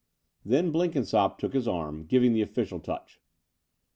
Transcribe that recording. Then Blenkinsopp took his turn, giving the official touch.